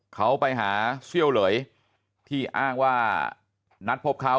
เขาไปหาเสี้ยวเหลยที่อ้างว่านัดพบเขา